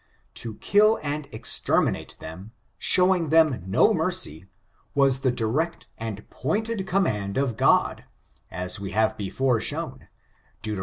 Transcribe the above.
To kill and exter minate them, showing them no mercy, was the direct and pointed command of God, as we have before shown, Deut.